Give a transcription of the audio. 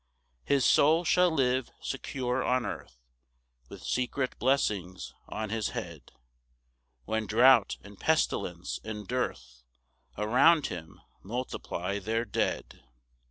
3 His soul shall live secure on earth, With secret blessings on his head, When drought, and pestilence, and dearth Around him multiply their dead.